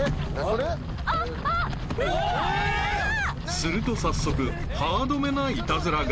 ［すると早速ハードめなイタズラが］